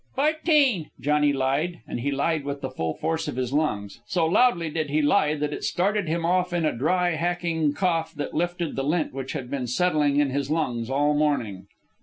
"Fourteen," Johnny lied, and he lied with the full force of his lungs. So loudly did he lie that it started him off in a dry, hacking cough that lifted the lint which had been settling in his lungs all morning.